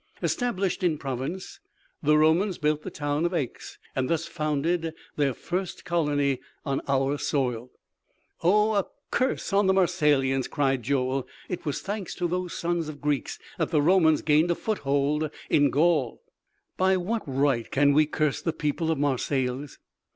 Established in Provence, the Romans built the town of Aix, and thus founded their first colony on our soil " "Oh, a curse upon the Marseillians!" cried Joel. "It was thanks to those sons of Greeks that the Romans gained a foothold in Gaul!" "By what right can we curse the people of Marseilles?